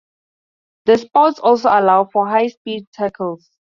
The spouts also allow for high-speed tackles.